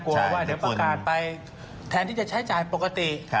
กลัวว่าเดี๋ยวประกาศไปแทนที่จะใช้จ่ายปกติ